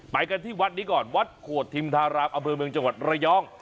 ไปกันที่วัดนี้ก่อนวัดโขดทิมธารามอำเภอเมืองจังหวัดระยอง